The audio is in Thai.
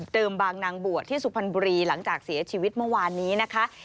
บางนางบวชที่สุพรรณบุรีหลังจากเสียชีวิตเมื่อวานนี้นะคะ